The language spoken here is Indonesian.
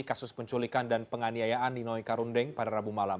kasus penculikan dan penganiayaan ninoy karundeng pada rabu malam